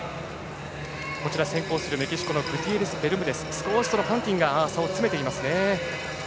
先行するメキシコのグティエレスベルムデスに少しファンティンが差を詰めていますね。